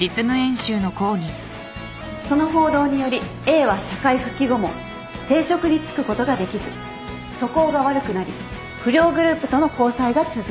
その報道によりＡは社会復帰後も定職に就くことができず素行が悪くなり不良グループとの交際が続いている。